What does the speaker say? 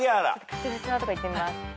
確実なとこいってみます。